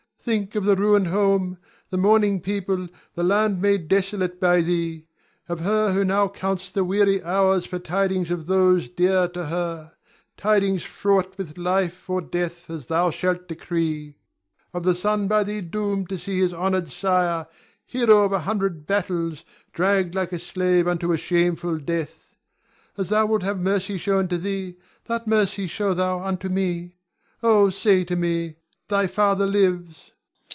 Think of the ruined home, the mourning people, the land made desolate by thee; of her who now counts the weary hours for tidings of those dear to her, tidings fraught with life or death as thou shalt decree; of the son by thee doomed to see his honored sire, hero of a hundred battles dragged like a slave unto a shameful death. As thou wilt have mercy shown to thee, that mercy show thou unto me. Oh, say to me, "Thy father lives!"